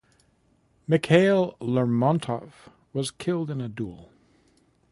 Mikhail Lermontov was killed in a duel.